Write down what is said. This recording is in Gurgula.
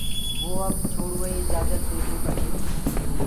وو آپ ڇوڙوآئيٚ آجآجت ديدي پڇي